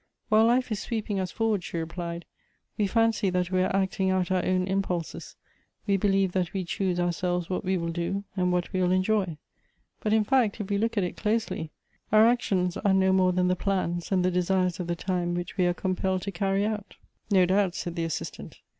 " While life is sweeping us for wards," she replied, "we fancy that we are acting out our own impulses ; we believe that we choose ourselves what we will do, and what we will enjoy. But in fact, if we look at it closely, our actions are no more than the plans, and the desires of tlie time which we are compelled to carry out." Elective Affinities. 229 " No doubt," said the Assistant.